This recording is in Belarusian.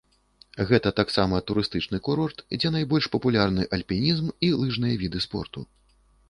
Гэта таксама турыстычны курорт, дзе найбольш папулярны альпінізм і лыжныя віды спорту.